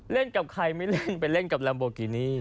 กับใครไม่เล่นไปเล่นกับลัมโบกินี่